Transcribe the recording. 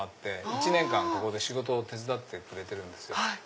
１年間ここで仕事を手伝ってくれてるんですよ。